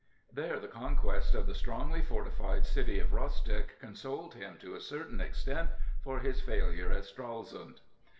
There the conquest of the strongly fortified city of Rostock consoled him to a certain extent for his failure at Stralsund.